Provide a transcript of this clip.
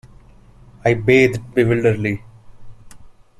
I bathed bewilderedly.